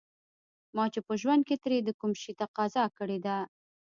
ما چې په ژوند کې ترې د کوم شي تقاضا کړې ده.